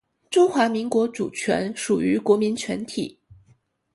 中华民国主权属于国民全体